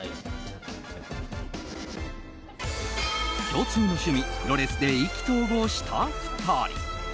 共通の趣味プロレスで意気投合した２人。